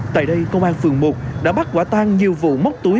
tại đây công an phường một đã bắt quả tan nhiều vụ móc túi